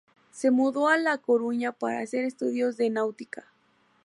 Se mudó a La Coruña para hacer estudios de náutica.